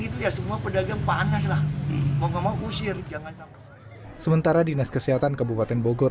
itu ya semua pedagang panaslah mau usir jangan sampai sementara dinas kesehatan kabupaten bogor